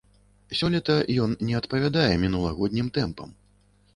Сёлета ён не адпавядае мінулагоднім тэмпам.